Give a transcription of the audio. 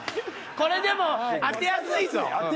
これでも当てやすい。